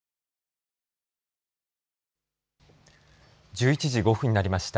１１時５分になりました。